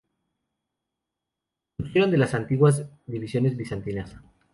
Surgieron de las antiguas divisiones bizantinas.